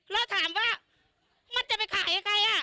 แล้วถามว่ามันจะไปขายให้ใคร